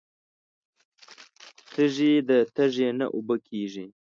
تږې ده تږې نه اوبه کیږي